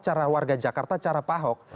cara warga jakarta cara pak ahok